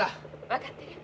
分かってる。